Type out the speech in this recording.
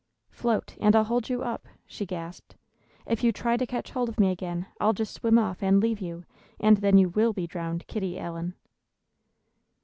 "Float, and I'll hold you up," she gasped. "If you try to catch hold of me again, I'll just swim off, and leave you, and then you will be drowned, Kitty Allen."